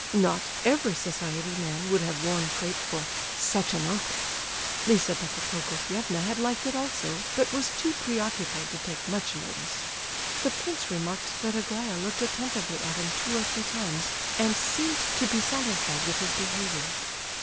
Not every society man would have worn crape for "such an uncle." Lizabetha Prokofievna had liked it also, but was too preoccupied to take much notice. The prince remarked that Aglaya looked attentively at him two or three times, and seemed to be satisfied with his behaviour.